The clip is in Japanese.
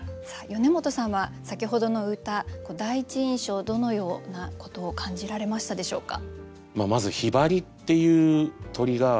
米本さんは先ほどの歌第一印象どのようなことを感じられましたでしょうか？